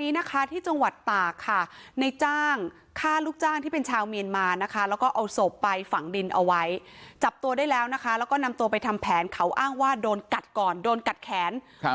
นี้นะคะที่จังหวัดตากค่ะในจ้างฆ่าลูกจ้างที่เป็นชาวเมียนมานะคะแล้วก็เอาศพไปฝังดินเอาไว้จับตัวได้แล้วนะคะแล้วก็นำตัวไปทำแผนเขาอ้างว่าโดนกัดก่อนโดนกัดแขนครับ